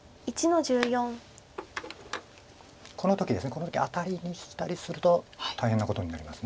この時アタリにしたりすると大変なことになります。